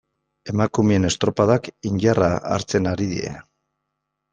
Emakumeen estropadak indarra hartzen ari dira.